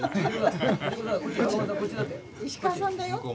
石川さんだよ。